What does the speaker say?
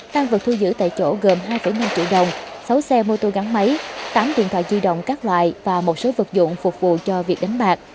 tăng vật thu giữ tại chỗ gồm hai năm triệu đồng sáu xe mô tô gắn máy tám điện thoại di động các loại và một số vật dụng phục vụ cho việc đánh bạc